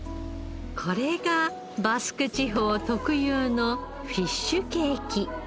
これがバスク地方特有のフィッシュケーキ。